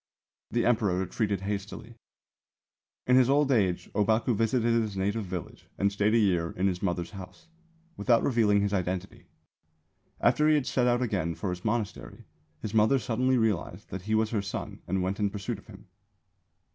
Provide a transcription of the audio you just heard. The Emperor retreated hastily." In his old age Ōbaku visited his native village and stayed a year in his mother's house, without revealing his identity. After he had set out again for his monastery, his mother suddenly realised that he was her son and went in pursuit of him.